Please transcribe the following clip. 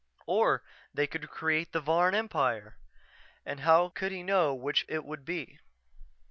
Or they could create the Varn Empire ... and how could he know which it would be?